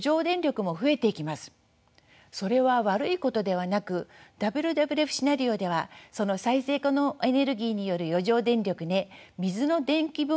それは悪いことではなくＷＷＦシナリオではその再生可能エネルギーによる余剰電力で水の電気分解をして水素をつくります。